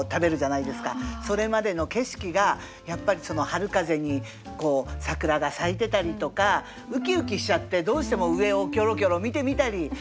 それまでの景色がやっぱり春風に桜が咲いてたりとかうきうきしちゃってどうしても上をキョロキョロ見てみたりするじゃないですか。